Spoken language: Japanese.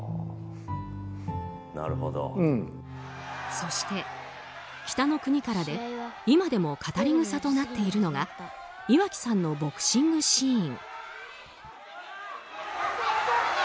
そして「北の国から」で今でも語り草となっているのが岩城さんのボクシングシーン。